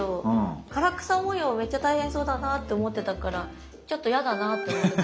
唐草模様めっちゃ大変そうだなって思ってたからちょっと嫌だなと思って。